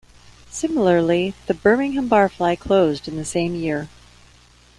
Similarly, the Birmingham Barfly closed in the same year.